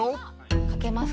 賭けますか？